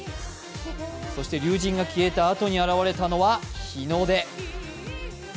そして龍神が消えたあとに現れたのは、日の出。